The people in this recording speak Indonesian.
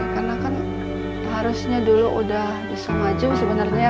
karena kan harusnya dulu udah disengajum sebenarnya ya